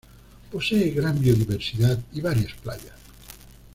Posee gran biodiversidad y varias playas.